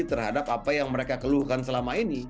terhadap apa yang mereka keluhkan selama ini